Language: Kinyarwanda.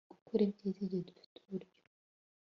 Gukora ibyiza igihe dufite uburyo